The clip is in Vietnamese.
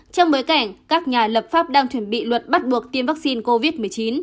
trong bối cảnh các nhà lập pháp đang chuẩn bị luật bắt buộc tiêm vaccine covid một mươi chín